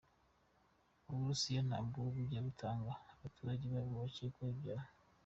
Uburusiya ntabwo bujya butanga abaturage babwo bacyekwaho ibyaha.